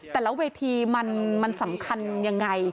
แต่แล้วเวทีมันสำคัญอย่างไร